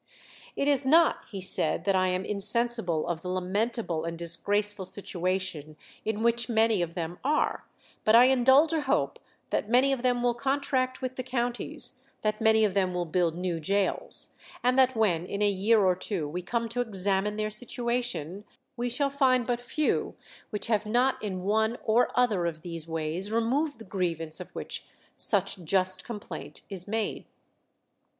"It is not," he said, "that I am insensible of the lamentable and disgraceful situation in which many of them are, but I indulge a hope that many of them will contract with the counties, that many of them will build new gaols, and that when in a year or two we come to examine their situation, we shall find but few which have not in one or other of these ways removed the grievance of which such just complaint is made.